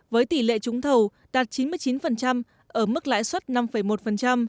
với tỷ lệ trúng thầu đạt chín mươi chín ở mức lãi suất năm một